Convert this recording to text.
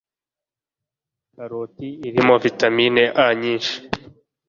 Karoti irimo vitamine A nyinshi